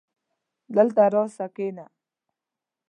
دلته راسه کينه